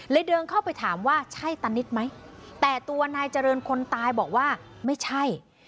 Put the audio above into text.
เดินเข้าไปถามว่าใช่ตานิดไหมแต่ตัวนายเจริญคนตายบอกว่าไม่ใช่